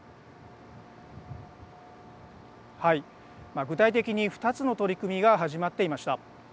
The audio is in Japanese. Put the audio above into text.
具体的に２つの取り組みが始まっていました。